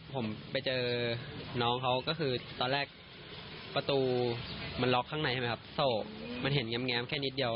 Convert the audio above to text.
ผมไปเจอน้องเขาก็คือตอนแรกประตูมันล็อกข้างในใช่ไหมครับโศกมันเห็นแง้มแค่นิดเดียว